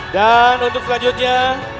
dan untuk selanjutnya